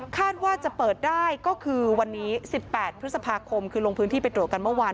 ว่าจะเปิดได้ก็คือวันนี้๑๘พฤษภาคมคือลงพื้นที่ไปตรวจกันเมื่อวาน